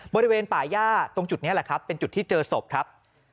บริเวณป่าย่าตรงจุดนี้แหละครับเป็นจุดที่เจอศพครับ